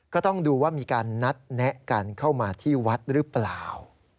ก็ต้องดูว่ามีการนัดแนะกันเข้ามาที่วัดหรือเปล่า